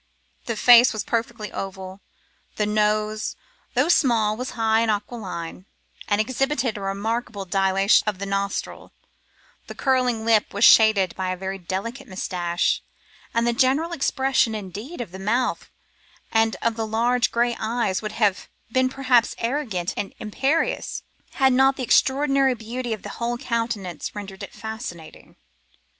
The face was perfectly oval; the nose, though small was high and aquiline, and exhibited a remarkable dilation of the nostril; the curling lip was shaded by a very delicate mustache; and the general expression, indeed, of the mouth and of the large grey eyes would have been perhaps arrogant and imperious, had not the extraordinary beauty of the whole countenance rendered it fascinating.